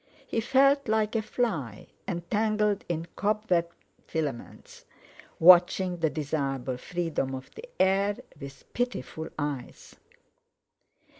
He felt like a fly, entangled in cobweb filaments, watching the desirable freedom of the air with pitiful eyes.